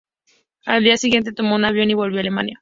Al día siguiente tomó un avión y volvió a Alemania.